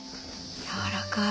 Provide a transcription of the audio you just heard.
やわらかい。